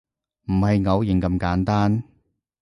唔係偶然咁簡單